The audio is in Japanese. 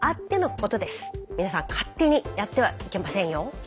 勝手にやってはいけませんよ。